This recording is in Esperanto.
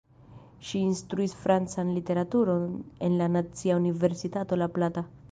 Ŝi instruis francan literaturon en la Nacia Universitato La Plata.